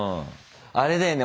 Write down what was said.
あれだよね